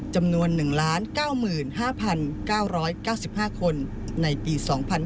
จำนวน๑๙๕๙๙๕คนในปี๒๕๕๙